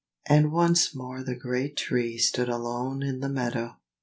And once more the great Tree stood alone in the meadow.